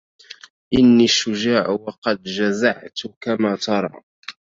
إني الشجاع وقد جزعت كما ترى